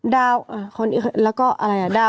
ดาวคนอื่นแล้วก็อะไรล่ะ